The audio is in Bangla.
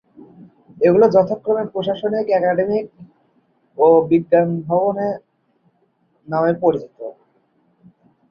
এগুলো যথাক্রমে প্রশাসনিক, একাডেমিক ও বিজ্ঞান ভবন নামে পরিচিত।